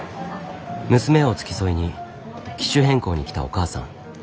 娘を付き添いに機種変更に来たお母さん。